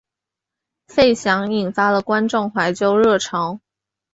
费翔引发了观众怀旧热潮。